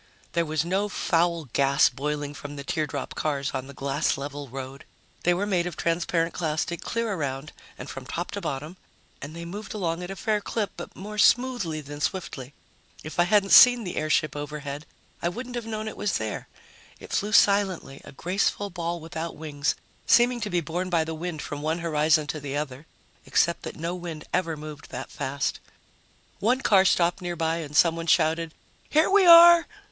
There was no foul gas boiling from the teardrop cars on the glass level road. They were made of transparent plastic clear around and from top to bottom, and they moved along at a fair clip, but more smoothly than swiftly. If I hadn't seen the airship overhead, I wouldn't have known it was there. It flew silently, a graceful ball without wings, seeming to be borne by the wind from one horizon to the other, except that no wind ever moved that fast. One car stopped nearby and someone shouted, "Here we are!"